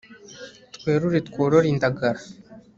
twerure tworore indagara